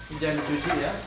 ini jangan dicuci ya